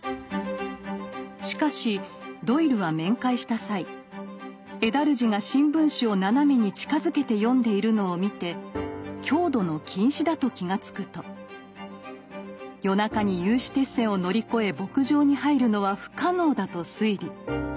しかしドイルは面会した際エダルジが新聞紙を斜めに近づけて読んでいるのを見て強度の近視だと気が付くと夜中に有刺鉄線を乗り越え牧場に入るのは不可能だと推理。